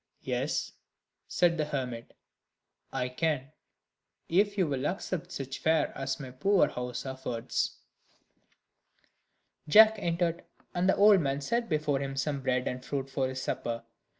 "Yes," said the hermit, "I can, if you will accept such fare as my poor house affords." Jack entered, and the old man set before him some bread and fruit for his supper.